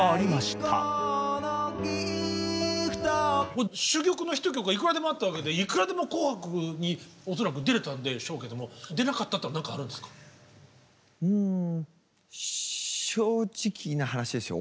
もう珠玉のヒット曲はいくらでもあったわけでいくらでも「紅白」に恐らく出れたんでしょうけどもうん正直な話ですよ。